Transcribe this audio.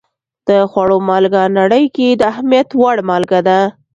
د خوړو مالګه نړۍ کې د اهمیت وړ مالګه ده.